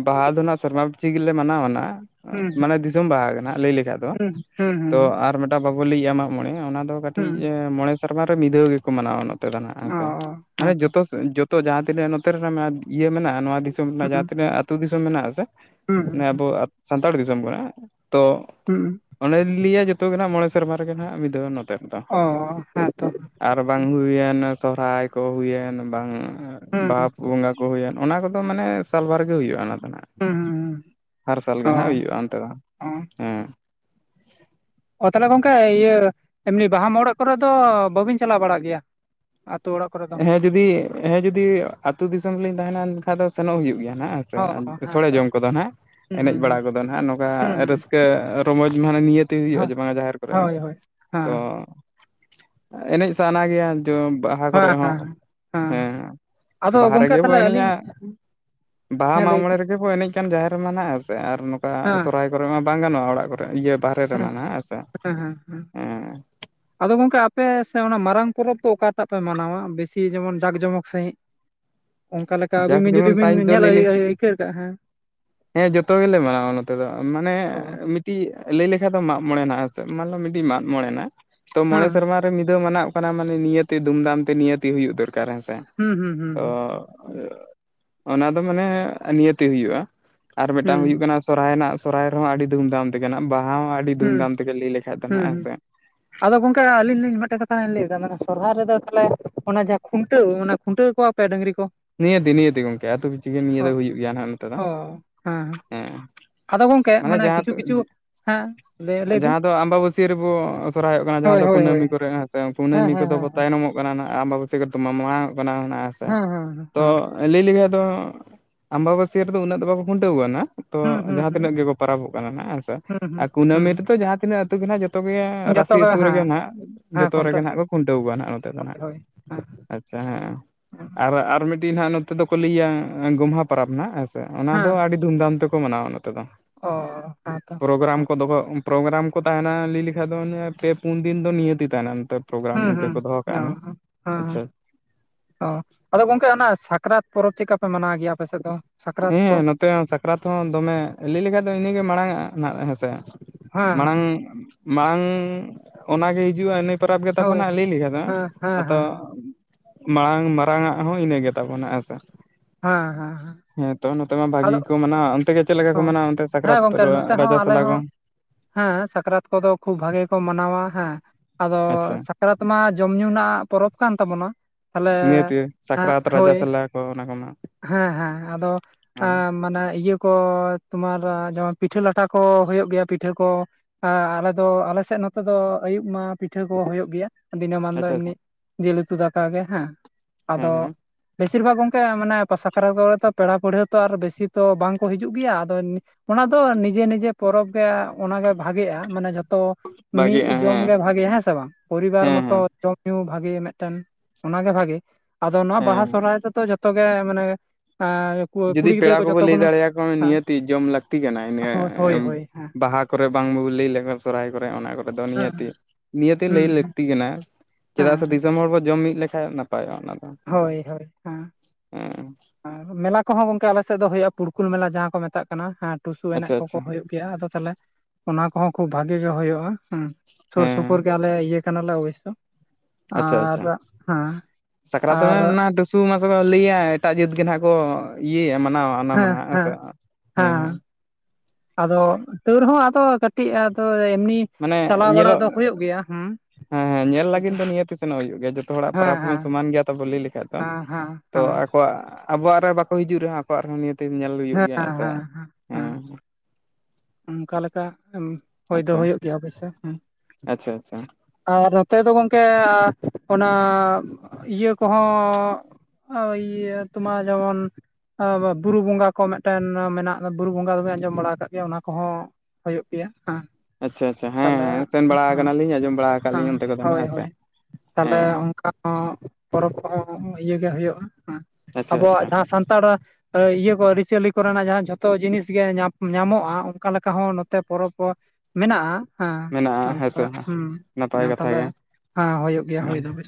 ᱵᱟᱦᱟ ᱫᱚ ᱱᱟᱜ ᱥᱮᱨᱢᱟ ᱯᱤᱪᱷᱤ ᱜᱮᱞᱮ ᱢᱟᱱᱟᱣ ᱟᱱᱟ ᱦᱩᱸ ᱢᱟᱱᱮ ᱫᱤᱥᱚᱢ ᱵᱟᱦᱟ ᱠᱟᱱᱟ ᱞᱟᱹᱭ ᱞᱮᱠᱷᱟ ᱫᱚ ᱦᱩᱸ ᱦᱩᱸ ᱛᱚ ᱦᱩᱸ ᱟᱨ ᱢᱮᱫ ᱴᱟᱜ ᱵᱟᱵᱚ ᱞᱮᱭᱮᱜᱼᱟ ᱢᱟᱜ ᱢᱚᱬᱮ ᱚᱱᱟ ᱫᱚ ᱦᱩᱸ ᱠᱟᱹᱴᱤᱡ ᱢᱚᱬᱮ ᱥᱮᱨᱢᱟ ᱨᱮ ᱢᱤᱫ ᱫᱷᱟᱹᱣ ᱜᱮ ᱠᱚ ᱢᱟᱱᱟᱣᱟ ᱱᱚᱛᱮ ᱫᱚ ᱱᱟᱜ ᱚ ᱦᱮᱸᱥᱮ, ᱦᱮᱸ ᱢᱟᱱᱮ ᱛᱚ ᱡᱚᱛᱚ ᱥᱮ ᱡᱚᱛᱚ ᱡᱟᱦᱟᱸ ᱛᱤᱱᱟᱹᱜ ᱱᱚᱛᱮ ᱨᱮᱱᱟᱜ ᱤᱭᱟᱹ ᱢᱮᱱᱟᱜᱼᱟ ᱱᱚᱣᱟ ᱫᱤᱥᱚᱢ ᱨᱮᱱᱟᱜ ᱦᱩᱸ ᱡᱟᱦᱟᱸ ᱛᱤᱱᱟᱹᱜ ᱟᱹᱛᱩ ᱫᱤᱥᱚᱢ ᱢᱮᱱᱟᱜᱼᱟ ᱥᱮ [unintelligible] ᱦᱩᱸ ᱟᱵᱚ ᱥᱟᱱᱛᱟᱲ ᱫᱤᱥᱚᱢ ᱠᱟᱱᱟ ᱛᱚ ᱦᱩᱸ ᱚᱱᱮᱞᱤᱧ ᱞᱟᱹᱭᱟ ᱡᱚᱛᱚ ᱜᱮ ᱱᱟᱦᱟᱸᱜ ᱢᱚᱬᱮ ᱥᱮᱨᱢᱟ ᱨᱮᱜᱮ ᱱᱟᱦᱟᱸᱜ ᱢᱤᱫ ᱫᱷᱟᱣ ᱱᱚᱛᱮ ᱨᱮᱫᱚ᱾ ᱚ ᱦᱮᱸ ᱛᱚ ᱟᱨ ᱵᱟᱝ ᱦᱩᱭᱮᱱ ᱥᱚᱦᱨᱟᱭ ᱠᱚ ᱦᱩᱭᱮᱱ ᱵᱟᱝ ᱦᱩᱸ ᱵᱟᱦᱟ ᱵᱚᱸᱜᱟ ᱠᱚ ᱦᱩᱭᱟᱱ ᱚᱱᱟ ᱠᱚᱫᱚ ᱢᱟᱱᱮ ᱥᱟᱞᱵᱟᱨ ᱨᱮᱜᱮ ᱦᱩᱭᱩᱜᱼᱟ ᱚᱱᱟ ᱦᱩᱸ [unintelligible] ᱦᱟᱨ ᱥᱟᱞ ᱜᱮ ᱚ ᱱᱟᱜ ᱦᱩᱭᱩᱜᱼᱟ ᱚᱱᱛᱮ ᱫᱚ, ᱦᱮᱸ ᱚ ᱛᱟᱦᱞᱮ ᱜᱚᱝᱠᱮ ᱤᱭᱟᱹ ᱮᱢᱱᱤ ᱵᱟᱦᱟ ᱢᱚᱬᱮ ᱠᱚᱨᱮ ᱫᱚ ᱵᱟᱹᱵᱤᱱ ᱪᱟᱞᱟᱣ ᱵᱟᱲᱟᱜ ᱜᱮᱭᱟ? ᱟᱛᱳ ᱚᱲᱟᱜ ᱠᱚᱨᱮ ᱫᱚ ᱦᱮᱸ ᱡᱩᱫᱤ ᱦᱮᱸ ᱡᱩᱫᱤ ᱟᱹᱛᱩ ᱫᱤᱥᱚᱢ ᱨᱮᱞᱤᱧ ᱛᱟᱦᱮᱱᱟ ᱮᱱᱠᱷᱟᱱᱡ ᱫᱚ ᱥᱮᱱᱚᱜ ᱦᱩᱭᱩᱜ ᱜᱮᱭᱟ ᱱᱟᱜ [unintelligible] ᱚ ᱥᱮ ᱦᱮᱸ ᱥᱳᱲᱮ ᱛᱚ ᱡᱚᱢ ᱠᱚᱫᱚ ᱱᱟᱜ ᱦᱩᱸ ᱮᱱᱮᱡ ᱦᱩᱸ ᱵᱟᱲᱟ ᱠᱚᱫᱚ ᱱᱟᱦᱟᱜ ᱦᱩᱸ ᱱᱚᱝᱠᱟ ᱨᱟᱹᱥ ᱠᱟᱹ ᱨᱚᱢᱚᱡᱽ ᱢᱟᱱᱮ ᱱᱤᱦᱟᱹᱛᱤ ᱦᱩᱭᱩᱜᱼᱟ ᱦᱩᱸ ᱡᱮ ᱵᱟᱝ ᱡᱟᱸᱦᱮᱨ ᱠᱚᱨᱮ ᱢᱟ᱾ ᱦᱳᱭ ᱦᱳᱭ ᱦᱮᱸ ᱛᱚ ᱮᱱᱮᱡ ᱥᱟᱱᱟ ᱜᱮᱭᱟ ᱡᱚ ᱵᱟᱦᱟ ᱵᱟᱦᱟ ᱠᱚᱨᱮ ᱦᱮᱸ ᱦᱮᱸ ᱦᱚᱸ ᱦᱮᱸ ᱟᱫᱚ ᱵᱟᱦᱟ ᱜᱚᱝᱠᱮ ᱨᱮᱜᱮ ᱵᱚᱱ ᱛᱟᱦᱚᱞᱮ ᱮᱱᱮᱡᱟ᱾ ᱟᱹᱞᱤᱧ ᱵᱟᱦᱟ ᱦᱮᱸ ᱞᱟᱹᱭ ᱢᱟᱜᱢᱚᱬᱮ ᱵᱤᱱ ᱨᱮ ᱨᱮᱠᱚ ᱮᱱᱮᱡ ᱠᱟᱱ ᱡᱟᱸᱦᱮᱨ ᱨᱮ ᱢᱟ ᱱᱟᱜᱼᱟ ᱥᱮ ᱟᱨ ᱱᱚᱝᱠᱟ ᱦᱮᱸ ᱥᱚᱨᱦᱟᱭ ᱠᱚᱨᱮ ᱢᱟ ᱵᱟᱝ ᱜᱟᱱᱚᱜᱼᱟ ᱚᱲᱟᱜ ᱠᱚᱨᱮ ᱤᱭᱟᱹ ᱵᱟᱦ [unintelligible] ᱦᱮᱸ ᱥᱮ ᱦᱮᱸ ᱦᱮᱸ [unintelligible] ᱟᱫᱚ ᱜᱚᱢᱠᱮ ᱟᱯᱮ ᱥᱮ ᱚᱱᱟ ᱢᱟᱨᱟᱝ ᱯᱚᱨᱚᱵᱽ ᱫᱚ ᱚᱠᱟᱴᱟᱜ ᱯᱮ ᱢᱟᱱᱟᱣᱟ ᱵᱮᱥᱤ ᱡᱮᱢᱚᱱ ᱡᱟᱠ ᱡᱚᱢᱚᱠ ᱥᱟᱺᱦᱤᱡ? ᱚᱱᱠᱟ ᱞᱮᱠᱟ ᱡᱟᱠ ᱟᱹᱵᱤᱱ ᱵᱤᱱ ᱡᱩᱫᱤ ᱡᱮᱢᱚᱱ ᱵᱤᱱ ᱥᱟᱭᱤᱡ ᱫᱚ ᱧᱮᱞ ᱞᱟᱹᱭ ᱟᱹᱭ ᱞᱮ ᱟᱹᱭᱠᱟᱹᱣ ᱠᱟᱜ ᱦᱮᱸ ᱦᱮᱸ ᱡᱚᱛᱚ ᱜᱮᱞᱮ ᱢᱟᱱᱟᱣᱟ ᱱᱚᱛᱮ ᱫᱚ ᱢᱟᱱᱮ ᱚ ᱢᱤ ᱴᱤᱡ ᱞᱟᱹᱭ ᱞᱮᱠᱷᱟᱡ ᱫᱚ ᱢᱟᱜ ᱢᱚᱬᱮᱱᱟᱜᱼᱟ ᱥᱮ ᱢᱟᱞᱚᱢ ᱢᱤᱫᱴᱤᱡ ᱢᱟᱜᱽ ᱢᱚᱬᱮᱱᱟᱜ ᱛᱚ ᱢᱚᱬᱮ ᱦᱮᱸ ᱥᱮᱨᱢᱟ [unintelligible] ᱢᱤᱫ ᱫᱷᱟᱹᱣ ᱢᱟᱱᱟᱣ ᱠᱟᱱᱟ ᱢᱟᱱᱮ ᱱᱤᱭᱟᱹ ᱛᱮ ᱫᱷᱩᱢᱫᱷᱟᱢ ᱛᱮ ᱱᱤᱭᱟᱹᱛᱤ ᱦᱩᱭᱩᱜ ᱫᱚᱨᱠᱟᱨ ᱦᱮᱸᱥᱮ ᱦᱩᱸ ᱦᱩᱸ ᱦᱩᱸ ᱛᱚ ᱦᱩᱸ ᱚᱱᱟ ᱫᱚ ᱢᱟᱱᱮ ᱱᱤᱭᱟᱹᱛᱤ ᱦᱩᱭᱩᱜᱼᱟ ᱟᱨ ᱢᱤᱫᱴᱟᱝ ᱦᱩᱭᱩᱜ ᱦᱩᱸ ᱠᱟᱱᱟ ᱥᱚᱨᱦᱟᱭ ᱨᱮᱱᱟᱜ ᱥᱚᱨᱦᱟᱭ ᱨᱮᱦᱚᱸ ᱟᱹᱰᱤ ᱫᱩᱢᱫᱷᱟᱢ ᱛᱮᱜᱮ ᱱᱟᱜ ᱵᱟᱦᱟ ᱦᱚᱸ ᱟᱹᱰᱤ ᱫᱷᱩᱢ ᱦᱩᱸ ᱫᱷᱟᱢ ᱛᱮᱜᱮ ᱞᱟᱹᱭ ᱞᱮᱠᱷᱟᱡ ᱫᱚ ᱱᱟᱜ ᱦᱩᱸ ᱦᱮᱸ ᱦᱩᱸ ᱥᱮ ᱟᱫᱚ ᱜᱚᱝᱠᱮ ᱟᱹᱞᱤᱧ ᱞᱤᱧ ᱢᱮᱫᱴᱮᱱ ᱠᱟᱛᱷᱟ ᱞᱤᱧ ᱞᱟᱹᱭᱫᱟ ᱢᱟᱱᱮ ᱥᱚᱨᱦᱟᱭ ᱨᱮᱫᱚ ᱛᱟᱦᱚᱞᱮ ᱚᱱᱟ ᱡᱟᱦᱟᱸ ᱠᱷᱩᱱᱴᱟᱹᱣ ᱚᱱᱟ ᱠᱷᱩᱱᱴᱟᱹᱣ ᱠᱚᱣᱟ ᱯᱮ ᱰᱟᱹᱝᱨᱤ ᱠᱚ? ᱱᱤᱭᱟᱹᱫᱤ ᱱᱤᱭᱟᱹᱫᱤ ᱜᱚᱝᱠᱮ ᱟᱹᱛᱩ ᱯᱤᱪᱷᱤᱜᱮ ᱱᱤᱭᱟᱹ ᱚ ᱫᱚ ᱦᱩᱭᱩᱜ ᱜᱮᱭᱟ ᱱᱟᱜ ᱱᱚᱛᱮ ᱫᱚ᱾ ᱚ ᱦᱮᱸ ᱦᱮᱸ ᱟᱫᱚ ᱜᱚᱝᱠᱮ ᱢᱟᱱᱮ ᱡᱟᱦᱟᱸ, ᱠᱤᱪᱷᱩ ᱠᱤᱪᱷᱩ [unintelligible] ᱦᱮᱸ ᱞᱟᱹᱭ ᱞᱟᱹᱭ ᱵᱤᱱ ᱡᱟᱦᱟᱸ ᱫᱚ ᱟᱢᱵᱟᱵᱟᱹᱥᱭᱟ ᱨᱮᱵᱚ ᱠᱚᱨᱟᱣ ᱦᱳᱭᱚᱜ ᱠᱟᱱᱟ ᱡᱟᱦᱟᱸ ᱦᱳᱭ ᱫᱚ ᱦᱳᱭ ᱦᱳᱭ ᱠᱩᱱᱟᱹᱢᱤ ᱠᱚᱨᱮ ᱦᱮᱸ ᱥᱮ ᱦᱮᱸ ᱠᱩᱱᱟᱹᱢᱤ ᱦᱮᱸ ᱠᱚᱫᱚ ᱵᱚ ᱦᱮᱸ ᱛᱟᱭᱱᱚᱢᱚᱜ ᱱᱟᱜ ᱟᱢᱵᱟᱵᱟᱹᱥᱭᱟᱹ ᱠᱚ ᱛᱚ ᱢᱟ ᱢᱟᱲᱟᱝᱚᱜ ᱠᱟᱱᱟ [unintelligible] ᱦᱮᱸ ᱦᱮᱸ ᱛᱚ ᱞᱟᱹᱭ ᱞᱮᱠᱷᱟᱡ ᱫᱚ ᱟᱢᱵᱟᱵᱟᱹᱥᱭᱟᱹ ᱨᱮᱫᱚ ᱩᱱᱟᱹᱜ ᱫᱚ ᱵᱟᱠᱚ ᱠᱷᱩᱱᱴᱟᱹᱣ ᱠᱚᱣᱟ ᱱᱟᱜ ᱛᱚ ᱦᱩᱸ ᱦᱩᱸ ᱡᱟᱦᱟᱸ ᱛᱤᱱᱟᱹᱜ ᱦᱩᱸ ᱜᱮᱠᱚ ᱯᱟᱨᱟᱵᱽᱜ ᱠᱟᱱᱟ ᱱᱟᱦᱟᱜ ᱦᱮᱸᱥᱮ ᱦᱩᱸ ᱟᱨ ᱦᱩᱸ ᱦᱩᱸ ᱠᱩᱱᱟᱹᱢᱤ ᱨᱮᱫᱚ ᱡᱟᱦᱟᱸ ᱛᱤᱱᱟᱹᱜ ᱟᱹᱛᱩ ᱜᱮ ᱱᱟᱦᱟᱜ ᱡᱚ ᱛᱚ ᱜᱮ ᱦᱩᱸ ᱡᱚᱛᱚ ᱨᱟᱥᱤ ᱜᱮ ᱟᱹᱛᱩ ᱨᱮᱜᱮ ᱦᱮᱸ ᱱᱟᱜ ᱦᱮᱸ ᱡᱚᱛᱚ ᱠᱷᱩᱱᱴᱟᱹᱣ ᱨᱮᱜᱮ ᱱᱟᱜ ᱠᱚ ᱠᱷᱩᱱᱴᱟᱹᱣ ᱠᱚᱣᱟ ᱱᱟᱜ ᱱᱚᱛᱮ ᱫᱚ ᱦᱳᱭ ᱱᱟᱜ ᱦᱳᱭ [unintelligible] ᱟᱪᱪᱷᱟ ᱦᱮᱸ ᱦᱮᱸ ᱟᱨ ᱟᱨ ᱢᱤᱫᱴᱤᱡ ᱱᱟᱦᱟᱜ ᱱᱚᱛᱮ ᱫᱚᱠᱚ ᱞᱟᱹᱭᱟ ᱜᱚᱢᱦᱟ ᱯᱟᱨᱟᱵᱽ ᱱᱟᱸᱜ ᱦᱮᱸ ᱥᱮ ᱚᱱᱟ ᱫᱚ ᱟᱹᱰᱤ ᱫᱷᱩᱢᱫᱷᱟᱢ ᱛᱮᱠᱚ ᱢᱟᱱᱟᱣᱟ ᱱᱚᱛᱮ ᱫᱚ᱾ ᱚᱸ ᱦᱮᱸ ᱛᱚ᱾ ᱯᱨᱳᱜᱨᱟᱢ ᱠᱚ ᱫᱚᱦᱚ ᱯᱨᱳᱜᱨᱟᱢ ᱠᱚ ᱛᱟᱦᱮᱱᱟ ᱞᱟᱹᱭ ᱞᱮᱠᱷᱟᱡ ᱫᱚ ᱚᱱᱮ ᱯᱮ ᱯᱩᱱ ᱫᱤᱱ ᱫᱚ ᱱᱤᱭᱟᱹᱛᱤ ᱛᱟᱦᱮᱱᱟ᱾ ᱱᱮᱛᱟᱨ᱾ ᱦᱩᱸ ᱦᱩᱸ ᱚ ᱟᱪᱪᱷᱟ ᱦᱮᱸ᱾ ᱚ, ᱟᱫᱚ ᱜᱚᱝᱠᱮ ᱚᱱᱟ ᱥᱟᱠᱨᱟᱛ ᱯᱚᱨᱚᱵᱽ ᱪᱮᱫᱠᱟ ᱯᱮ ᱢᱟᱱᱟᱣ ᱜᱮᱭᱟ ᱟᱯᱮ ᱥᱮᱫ ᱫᱚ? ᱥᱟᱠᱨᱟᱛ ᱠᱚ ᱦᱮᱸ ᱱᱚᱛᱮ ᱦᱚᱸ ᱥᱟᱠᱨᱟᱛ ᱦᱚᱸ ᱫᱚᱢᱮ ᱞᱟᱹᱭ ᱞᱮᱠᱷᱟᱡ ᱫᱚ ᱤᱱᱟᱹᱜᱮ ᱢᱟᱲᱟᱝ ᱱᱟᱜ ᱦᱮᱸᱥᱮ᱾ ᱦᱮᱸ ᱦᱮᱸ ᱢᱟᱲᱟᱝ ᱢᱟᱲᱟᱝ ᱚᱱᱟᱜᱮ ᱦᱤᱡᱩᱜᱼᱟ ᱤᱱᱟᱹ ᱛᱚᱨᱚᱵᱽ ᱜᱮᱛᱟ ᱦᱳᱭ ᱵᱚᱱᱟ ᱦᱳᱭ ᱞᱟᱹᱭ ᱞᱮᱠᱷᱟᱡ ᱫᱚ, ᱦᱮᱸ ᱦᱮᱸ ᱟᱫᱚ ᱦᱮᱸ ᱢᱟᱲᱟᱝ ᱢᱟᱨᱟᱝᱟᱜ ᱦᱚᱸ ᱤᱱᱟᱹ ᱜᱮᱛᱟᱵᱚᱱᱟ, ᱦᱮᱸ ᱥᱮ? ᱦᱮᱸ ᱦᱮᱸ ᱦᱮᱸ᱾ ᱦᱮᱸ ᱛᱚ ᱱᱚᱛᱮ ᱢᱟ ᱵᱷᱟᱜᱤ ᱟᱫᱚ ᱜᱮᱠᱚ ᱢᱟᱱᱟᱣᱼᱟ ᱚᱱᱛᱮ ᱜᱮ ᱪᱮᱫ ᱞᱮᱠᱟ ᱠᱚ ᱢᱟᱱᱟᱣᱟ ᱚᱱᱛᱮ ᱦᱮᱸ ᱥᱟᱠᱨᱟᱛ ᱜᱚᱝᱠᱮ ᱨᱟ ᱱᱚᱛᱮ ᱦᱚᱸ ᱨᱟᱡᱟ ᱟᱞᱮ ᱥᱟᱞᱟ ᱠᱚ? ᱦᱚᱸ ᱦᱮᱸ ᱥᱟᱠᱨᱟᱛ ᱠᱚᱫᱚ ᱠᱷᱩᱵ ᱵᱷᱟᱜᱮ ᱠᱚ ᱢᱟᱱᱟᱣᱟ ᱦᱮᱸ, ᱟᱫᱚ ᱟᱪᱪᱷᱟ ᱥᱟ ᱠᱨᱟᱛ ᱢᱟ ᱡᱚᱢ ᱧᱩ ᱨᱮᱱᱟᱜ ᱯᱚᱨᱚᱵᱽ ᱠᱟᱱ ᱛᱟᱵᱚᱱᱟ᱾ ᱛᱟᱦᱚᱞᱮ ᱱᱤᱭᱟᱹ ᱛᱮ ᱥᱟᱠᱨᱟᱛ ᱨᱟᱡᱟ ᱦᱳᱭ ᱥᱟᱞᱟ ᱠᱚ ᱚᱱᱟ ᱠᱚ ᱱᱟᱜ᱾ ᱦᱮᱸ ᱦᱮᱸ ᱟᱫᱚ ᱮᱸ ᱢᱟᱱᱮ ᱤᱭᱟᱹ ᱠᱚ ᱛᱳᱢᱟᱨ ᱡᱮᱢᱚᱱ ᱯᱤᱴᱷᱟᱹ ᱞᱟᱴᱷᱟ ᱠᱚ ᱦᱩᱭᱩᱜ ᱜᱮᱭᱟ ᱯᱤᱴᱷᱟᱹ ᱠᱚ ᱮᱸ ᱟᱞᱮ ᱫᱚ ᱟᱞᱮ ᱥᱮᱫ ᱱᱚᱛᱮ ᱫᱚ ᱟᱹᱭᱩᱵ ᱢᱟ ᱯᱤᱴᱷᱟᱹ ᱠᱚ ᱦᱩᱭᱩᱜ ᱜᱮᱭᱟ, ᱫᱤᱱᱟᱹᱢᱟᱱ ᱫᱚ ᱟᱪᱪᱷᱟ ᱟᱪᱪᱷᱟ ᱮᱢᱱᱤ ᱡᱤᱞ ᱩᱛᱩ ᱫᱟᱠ ᱜᱮ, ᱦᱮᱸ᱾ ᱦᱮᱸ ᱟᱫᱚ ᱦᱮᱸ ᱵᱮᱥᱤᱨ ᱵᱷᱟᱜ ᱜᱚᱝᱠᱮ ᱢᱟᱱᱮ ᱯᱟᱥᱟ ᱠᱟᱨᱟ ᱠᱚᱜᱮ ᱛᱚ ᱯᱮᱲᱟ ᱯᱟᱹᱲᱦᱟᱹ ᱛᱚ ᱟᱨ ᱵᱮᱥᱤ ᱛᱚ ᱵᱟᱝ ᱠᱚ ᱦᱤᱡᱩᱜ ᱜᱮᱭᱟ, ᱟᱫᱚ ᱚᱱᱟ ᱫᱚ ᱱᱤᱡᱮ ᱱᱤᱡᱮ ᱯᱚᱨᱚᱵᱽ ᱜᱮ ᱚᱱᱟ ᱜᱮ ᱵᱷᱟᱜᱮᱜᱼᱟ ᱢᱟᱱᱮ ᱡᱷᱚ ᱛᱚ ᱵᱷᱟᱜᱤᱜᱼᱟ ᱢᱤᱫ ᱦᱮᱸ ᱡᱚᱢ ᱜᱮ ᱵᱷᱟᱜᱮ, ᱦᱮᱸ ᱥᱮ ᱵᱟᱝ? ᱯᱚᱨᱤᱵᱟᱨ ᱦᱮᱸ ᱦᱮᱸ ᱢᱚᱛᱚ ᱡᱚᱢ ᱧᱩ ᱵᱷᱟᱜᱮ ᱢᱤᱫᱴᱮᱱ, ᱚᱱᱟᱜᱮ ᱵᱷᱟᱜᱮ ᱟᱫᱚ ᱱᱚᱣᱟ ᱵᱟᱦᱟ ᱦᱮᱸ ᱥᱚᱦᱨᱟᱭ ᱨᱮᱫᱚ ᱡᱷᱚ ᱛᱚ ᱜᱮ ᱢᱟᱱᱮ ᱮᱸ ᱡᱩᱫᱤ ᱯᱮᱲᱟ ᱠᱚᱯᱮ ᱞᱟᱹᱭ ᱫᱟᱲᱮᱭᱟᱠᱚᱣᱟ ᱱᱤᱦᱟᱹᱛᱤ ᱡᱚᱢ ᱞᱟᱹᱠᱛᱤ ᱠᱟᱱᱟ ᱤᱱᱟ, ᱦᱳᱭ ᱦᱳᱭ ᱦᱮᱸ ᱵᱟᱦᱟ ᱠᱚᱨᱮ ᱵᱟᱝᱵᱚ ᱞᱟᱹᱭ ᱞᱮᱠᱟ ᱥᱚᱨᱦᱟᱭ ᱠᱚᱨᱮ ᱚᱱᱟ ᱠᱚ ᱟᱫᱚ ᱱᱤᱦᱟᱹᱛᱤ, ᱦᱮᱸ ᱱᱤᱦᱟᱹᱛᱤ ᱞᱟᱹᱭ ᱦᱩᱸ ᱞᱟᱹᱠᱛᱤ ᱠᱟᱱᱟ᱾ ᱪᱮᱫᱟᱜ ᱥᱮ ᱦᱮᱸ ᱫᱤᱥᱚᱢ ᱦᱚᱲ ᱵᱚ ᱡᱚᱢ ᱢᱤᱫ ᱞᱮᱠᱷᱟᱡ ᱱᱟ ᱯᱟᱭᱚᱜ-ᱟ ᱚᱱᱟ ᱫᱚ᱾ ᱦᱮ ᱥᱮ? ᱦᱳᱭ ᱦᱳᱭ ᱦᱮᱸ ᱦᱮᱸ᱾ ᱟᱨ ᱢᱮᱞᱟ ᱠᱚᱦᱚᱸ ᱜᱚᱝᱠᱮ ᱟᱞᱮ ᱥᱮᱫ ᱫᱚ ᱦᱩᱭᱩᱜᱼᱟ ᱯᱩᱲᱠᱩᱞ ᱢᱮᱞᱟ ᱡᱟᱦᱟᱸ ᱠᱚ ᱢᱮᱛᱟᱜ ᱠᱟᱱᱟ, ᱦᱮᱸ ᱴᱩᱥᱩ ᱮᱱᱮᱡ ᱟᱪᱪᱷᱟ ᱠᱚᱠᱚ ᱟᱪᱪᱷᱟ ᱦᱩᱭᱩᱜ ᱜᱮᱭᱟ ᱟᱫᱚ ᱛᱟᱦᱞᱮ ᱚᱱᱟ ᱠᱚᱦᱚᱸ ᱠᱷᱩᱵ ᱵᱷᱟᱜᱮ ᱜᱮ ᱦᱩᱭᱩᱜᱼᱟ, ᱦᱩᱸ ᱥᱩᱨ ᱥᱩᱯᱩᱨ ᱦᱮᱸ ᱜᱮ ᱟᱞᱮ ᱤᱭᱟᱹ ᱠᱟᱱᱟᱞᱮ ᱚᱵᱚᱥᱥᱳ, ᱟᱪᱪᱷᱟ ᱟᱪᱪᱷᱟ ᱟᱨ ᱦᱮᱸ᱾ ᱥᱟᱠᱨᱟᱛ ᱟᱨ ᱨᱮᱢᱟ ᱱᱟ ᱴᱩᱥᱩ ᱢᱟᱥᱟ ᱠᱚ ᱞᱟᱹᱭᱟ ᱮᱴᱟᱜ ᱡᱟᱹᱛ ᱜᱮ ᱱᱟᱦᱟᱜ ᱠᱚ ᱤᱭᱟᱹᱭᱟ ᱢᱟᱱᱟᱣᱟ᱾ ᱚᱱᱟ ᱢᱟ ᱱᱟᱜ ᱦᱮᱸ ᱥᱮ? ᱦᱮᱸ ᱦᱮᱸ᱾ ᱟᱫᱚ ᱛᱟᱹᱣ ᱨᱮᱦᱚᱸ ᱟᱫᱚ ᱠᱟᱹᱴᱤᱡ ᱟᱫᱚ ᱮᱢᱱᱤ ᱢᱟᱱᱮ ᱪᱟᱞᱟᱣ ᱵᱟᱲᱟ ᱧᱮᱞᱚᱜ ᱫᱚ ᱦᱩᱭᱩᱜ ᱜᱮᱭᱟ᱾ ᱦᱮᱸ ᱦᱮᱸ ᱦᱮᱸ ᱧᱮᱞ ᱞᱟᱹᱜᱤᱫ ᱫᱚ ᱱᱤᱦᱟᱹᱛᱤ ᱥᱮᱱᱚᱜ ᱦᱩᱭᱩᱜ ᱜᱮᱭᱟ ᱡᱷᱚᱛᱚ ᱦᱚᱲᱟᱜ ᱦᱮᱸ ᱯᱟᱨᱟᱵ ᱢᱟ ᱥᱚᱢᱟᱱ ᱜᱮᱭᱟ ᱛᱚ ᱵᱚ ᱞᱟᱹᱭ ᱞᱮᱠᱷᱟᱡ ᱫᱚ᱾ ᱦᱮᱸ ᱦᱮᱸ ᱛᱚ ᱦᱮᱸ᱾ ᱟᱠᱚᱣᱟᱜ ᱟᱵᱚᱣᱟᱜ ᱨᱮ ᱵᱟᱠᱚ ᱦᱤᱡᱩᱜ ᱨᱮᱦᱚᱸ ᱟᱠᱚᱣᱟᱜ ᱨᱮᱦᱚᱸ ᱱᱤᱦᱟᱹᱛᱮ ᱧᱮᱞ ᱦᱩᱭᱩᱜ ᱜᱮᱭᱟ ᱦᱮᱸ ᱥᱮ, ᱦᱮᱸ᱾ ᱚᱱᱠᱟ ᱞᱮᱠᱟ ᱮᱢ ᱦᱩᱭ ᱫᱚ ᱟᱪᱪᱷᱟ ᱦᱩᱭᱩᱜ ᱜᱮᱭᱟ ᱚᱵᱚᱥᱥᱚ, ᱦᱩᱸ᱾ ᱟᱪᱪᱷᱟ ᱟᱪᱪᱷᱟ᱾ ᱟᱨ ᱱᱚᱛᱮ ᱫᱚ ᱜᱚᱝᱠᱮ ᱟ ᱚᱱᱟ ᱤᱭᱟᱹ ᱠᱚᱦᱚᱸ ᱚ ᱤᱭᱟᱹ ᱛᱳᱢᱟᱨ ᱡᱮᱢᱚᱱ, ᱟ ᱵᱟ ᱵᱩᱨᱩ ᱵᱚᱸᱜᱟ ᱠᱚ ᱢᱤᱫᱴᱮᱱ ᱢᱮᱱᱟᱜᱼᱟ ᱵᱩᱨᱩ ᱵᱚᱸᱜᱟ ᱫᱚᱵᱮᱱ ᱟᱸᱡᱚᱢ ᱵᱟᱲᱟ ᱟᱠᱟᱫ ᱜᱮᱭᱟ ᱚᱱᱟ ᱠᱚᱦᱚᱸ ᱦᱩᱭᱩᱜ ᱜᱮᱭᱟ ᱦᱮᱸ᱾ ᱟᱪᱪᱷᱟ ᱟᱪᱪᱷᱟ ᱦᱮᱸ ᱛᱟᱞᱦᱮ ᱦᱮᱸ ᱥᱮᱱ ᱵᱟᱲᱟ ᱦᱮᱸ, ᱟᱠᱟᱱᱟᱞᱤᱧ ᱟᱸᱡᱚᱢ ᱵᱟᱲᱟ ᱟᱠᱟᱫ ᱦᱮᱸ ᱞᱤᱧ ᱚᱱᱛᱮ ᱠᱚᱫᱚ ᱦᱳᱭ ᱦᱮᱸ ᱥᱮ ᱦᱳᱭ᱾ ᱛᱟᱞᱦᱮ ᱦᱮᱸ ᱚᱱᱠᱟ ᱚ ᱯᱚᱨᱚᱵᱽ ᱠᱚᱦᱚᱸ ᱤᱭᱟᱹ ᱜᱮ ᱦᱩᱭᱩᱜᱼᱟ, ᱦᱮᱸ, ᱟᱪᱪᱷᱟ ᱟᱵᱚᱣᱟᱜ ᱟᱪᱪᱷᱟ ᱡᱟᱦᱟᱸ ᱥᱟᱱᱛᱟᱲ ᱮ ᱤᱭᱟᱹ ᱠᱚ ᱟᱹᱨᱤᱪᱟᱹᱞᱤ ᱠᱚᱨᱮᱱᱟᱜ ᱡᱟᱦᱟᱸ ᱡᱷᱚᱛᱚ ᱡᱤᱱᱤᱥ ᱜᱮ ᱧᱟ ᱧᱟᱢᱚᱜᱼᱟ, ᱚᱚᱱᱠᱟ ᱞᱮᱠᱟ ᱦᱚᱸ ᱱᱚᱛᱮ ᱯᱚᱨᱚᱵᱽ ᱠᱚ ᱢᱮᱱᱟᱜᱼᱟ ᱢᱮᱱᱟᱜᱼᱟ ᱦᱮᱸᱥᱮ ᱱᱟᱯᱟᱭ ᱦᱮᱸ [unintelligible] ᱠᱟᱛᱷᱟ ᱜᱮ ᱛᱟᱦᱞᱮ ᱦᱮᱸ ᱦᱩᱭᱩᱜᱳ ᱜᱮᱭᱟ ᱦᱮᱸ ᱦᱳᱭ ᱫᱚ ᱦᱳᱭ